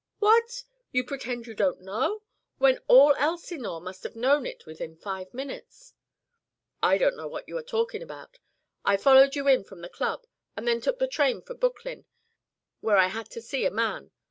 "What? You pretend you don't know when all Elsinore must have known it within five minutes " "I don't know what you are talking about. I followed you in from the Club and then took the train for Brooklyn, where I had to see a man.